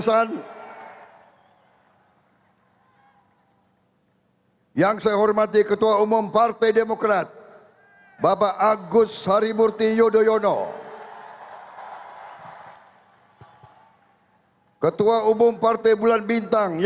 salam sejahtera bagi kita sekalian